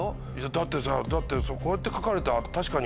だってさぁこうやって書かれたら確かに。